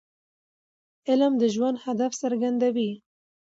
علم د ژوند هدف څرګندوي.